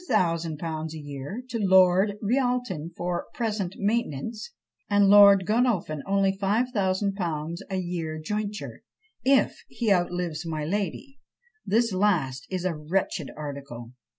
_ a year to Lord Rialton for present maintenance; and Lord Godolphin only 5000_l._ a year jointure, if he outlives my lady: this last is a wretched article.